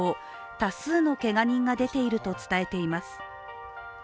多数のけが人が出ていると伝えています。